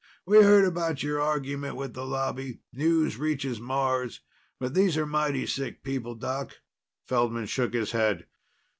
"We heard about your argument with the Lobby. News reaches Mars. But these are mighty sick people, Doc." Feldman shook his head.